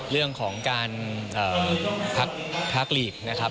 เรื่องของการพักลีกนะครับ